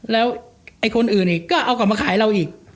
แล้วไอ้คนอื่นอีกก็เอากลับมาขายเราอีก